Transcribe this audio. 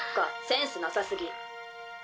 センスなさすぎ。